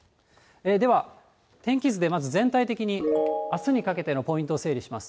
では天気図でまず全体的にあすにかけてのポイントを整理します。